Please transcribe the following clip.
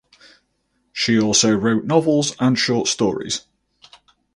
She also wrote novels and short stories.